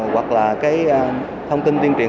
hoặc là cái thông tin tuyên truyền